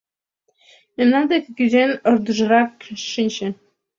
Мемнан деке кӱзен, ӧрдыжкырак шинче.